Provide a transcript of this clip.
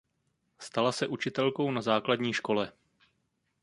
Stala se učitelkou na základní škole.